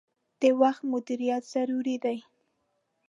د وخت مدیریت ضروری دي.